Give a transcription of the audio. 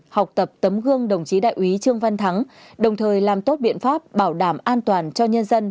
học tập tấm gương đồng chí đại úy trương văn thắng đồng thời làm tốt biện pháp bảo đảm an toàn cho nhân dân